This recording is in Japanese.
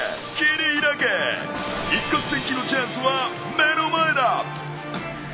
一獲千金のチャンスは目の前だ！